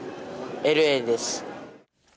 ＬＡです。